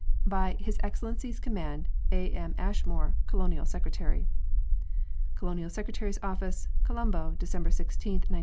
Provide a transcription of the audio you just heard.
" By His Excellency's Command, "A. M. ASHMORE, " Colonial Secretary. "Colonial Secretary's Office, "Colombo, December 16, 1904."